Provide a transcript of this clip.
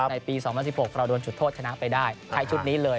ในปี๒๐๑๖เราโดนจุดโทษชนะไปได้ใช้ชุดนี้เลย